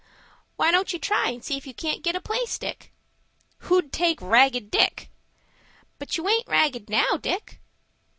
"Why don't you try, and see if you can't get a place, Dick?" "Who'd take Ragged Dick?" "But you aint ragged now, Dick."